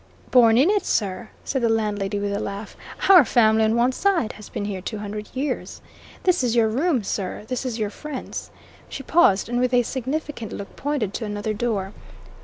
"Born in it, sir," said the landlady, with a laugh. "Our family on one side has been here two hundred years. This is your room, sir this is your friend's." She paused, and with a significant look, pointed to another door.